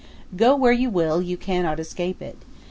Go where you will, you cannot escape it.